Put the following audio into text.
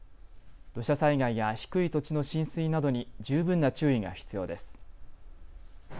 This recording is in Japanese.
土砂災害や低い土地の浸水などに十分な注意が必要です。